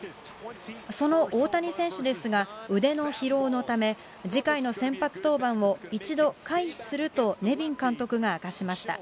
その大谷選手ですが、腕の疲労のため、次回の先発登板を一度回避するとネビン監督が明かしました。